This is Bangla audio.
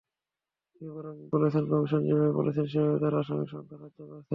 তিনি বরং বলেছেন, কমিশন যেভাবে বলেছে, সেভাবে তাঁরা আসামির সংখ্যা ধার্য করেছেন।